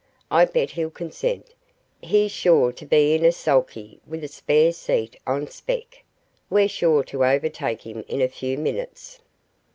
I bet he'll consent; he's sure to be in a sulky with a spare seat on spec. We're sure to overtake him in a few minutes."